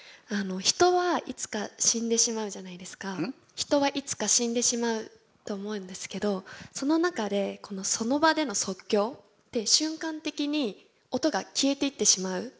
人はいつか死んでしまうと思うんですけどその中でその場での即興って瞬間的に音が消えていってしまう。